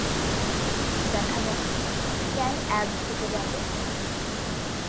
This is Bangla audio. দেখা যাক, কেন অ্যাব থেকে যাবে?